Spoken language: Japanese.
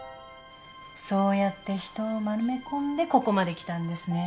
そうやって人を丸め込んでここまできたんですね。